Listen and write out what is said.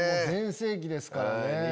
全盛期ですからね。